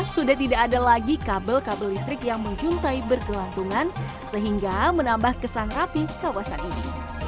sudah tidak ada lagi kabel kabel listrik yang menjuntai berkelantungan sehingga menambah kesan rapi kawasan ini